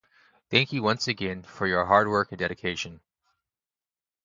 Thank you once again for your hard work and dedication.